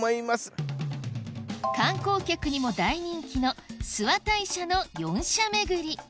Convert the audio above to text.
観光客にも大人気の諏訪大社の四社巡り